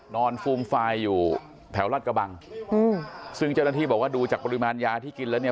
ฟูมฟายอยู่แถวรัฐกระบังซึ่งเจ้าหน้าที่บอกว่าดูจากปริมาณยาที่กินแล้วเนี่ย